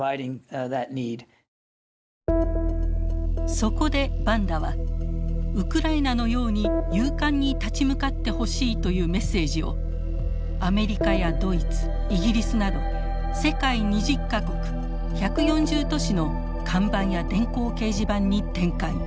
そこでバンダはウクライナのように勇敢に立ち向かってほしいというメッセージをアメリカやドイツイギリスなど世界２０か国１４０都市の看板や電光掲示板に展開。